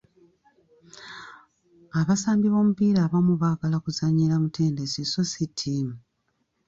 Abasambi b'omupiira abamu baagala kuzannyira mutendesi so si ttiimu.